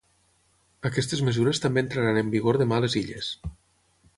Aquestes mesures també entraran en vigor demà a les Illes.